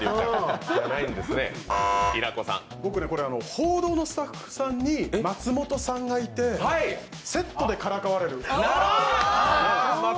報道のスタッフさんにマツモトさんがいてセットでからかわれる。